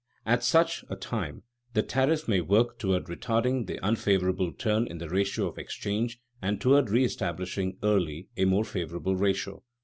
At such a time the tariff may work toward retarding the unfavorable turn in the ratio of exchange and toward reëstablishing early a more favorable ratio.